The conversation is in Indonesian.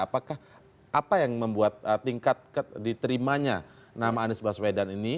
apakah apa yang membuat tingkat diterimanya nama anies baswedan ini